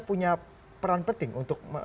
punya peran penting untuk